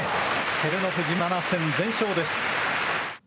照ノ富士７戦全勝です。